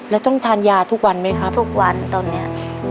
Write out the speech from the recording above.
แล้วต้องทานยาทุกวันไหมครับทุกวันตอนนี้